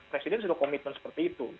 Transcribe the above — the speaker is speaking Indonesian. presiden sudah komitmen seperti itu